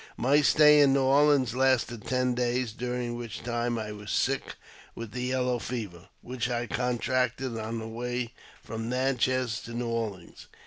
My stay in New Orleans lasted ten days, during which time I was sick with the yellow « fever, which I contracted on the way from Natchez to New Orleans.